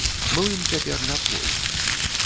Млын цяпер не твой.